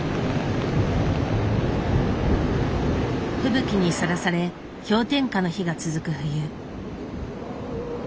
吹雪にさらされ氷点下の日が続く冬。